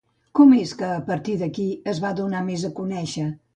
Com és que a partir d'aquí es va donar més a conèixer?